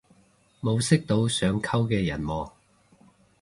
冇識到想溝嘅人喎